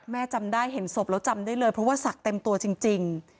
จำได้เห็นศพแล้วจำได้เลยเพราะว่าศักดิ์เต็มตัวจริง